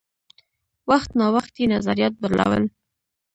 وخت نا وخت یې نظریات بدلول.